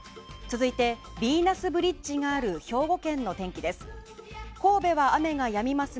続いてビーナスブリッジがある兵庫県の天気です。